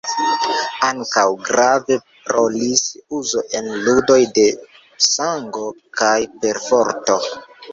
Ankaŭ grave rolis uzo en ludoj de sango kaj perforto.